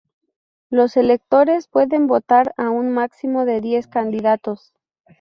Los electores pueden votar a un máximo de diez candidatos.